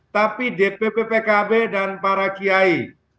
tapi dpp pkb dan para kiai